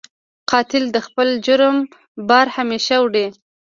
قاتل د خپل جرم بار همېشه وړي